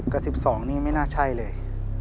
กับ๑๒นี่ไม่น่าใช่เลย